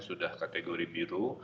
sudah kategori biru